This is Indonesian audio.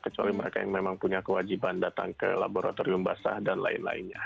kecuali mereka yang memang punya kewajiban datang ke laboratorium basah dan lain lainnya